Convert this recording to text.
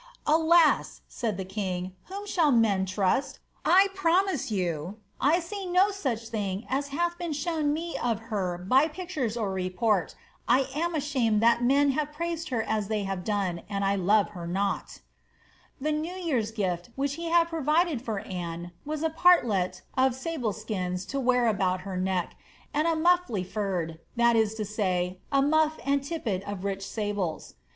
''^ Alas r* said the king, ^ whom shall men trust ? I promise you I see no such thing as hath been shown me of her by pictures or report I am ashamed that men have praised her as they have done, and I love her noL'» » The new year'a gifl which he had provided for Anne was a partlet of mJtAe skins to wear about her neck, and a muffly furred, that is to say, a oinflT and tippet of rich sables.